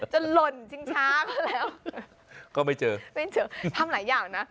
หล่นชิงช้าก็แล้วก็ไม่เจอไม่เจอทำหลายอย่างนะ